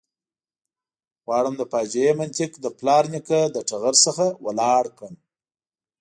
غواړم د فاجعې منطق له پلار نیکه له ټغر څخه ولاړ کړم.